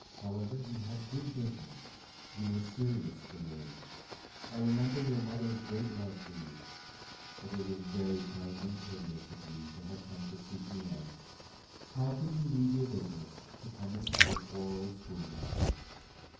However, you had good judgment; you were serious for your age. I remember your mother's great love for you. But it is very kind and courteous of you to 226 APRIL have come to seek me out. How could you leave your business, to come and see a poor old school master?''